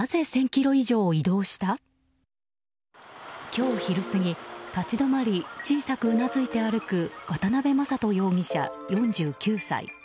今日昼過ぎ、立ち止まり小さくうなずいて歩く渡辺正人容疑者、４９歳。